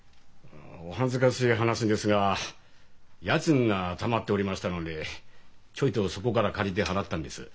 お恥ずかしい話ですが家賃がたまっておりましたのでちょいとそこから借りて払ったんです。